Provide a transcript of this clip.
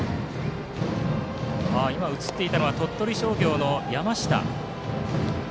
今、映っていたのは鳥取商業の山下です。